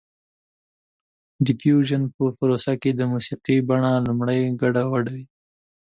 د ډیفیوژن په پروسه کې د موسیقۍ بڼه لومړی ګډه وډه وي